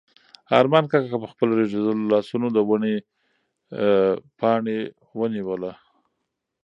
ارمان کاکا په خپلو رېږدېدلو لاسو د ونې پاڼه ونیوله.